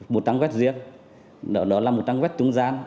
một trang web riêng đó là một trang web trung gian